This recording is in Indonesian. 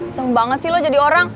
seneng banget sih lo jadi orang